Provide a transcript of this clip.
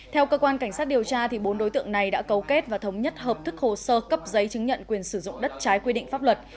theo cơ quan cảnh sát điều tra bốn đối tượng này đã cấu kết và thống nhất hợp thức hồ sơ cấp giấy chứng nhận quyền sử dụng đất trái quy định pháp luật